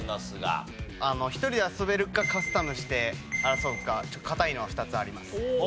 １人で遊べるかカスタムして争うか固いのは２つあります。